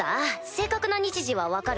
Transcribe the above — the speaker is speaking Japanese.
正確な日時は分かるか？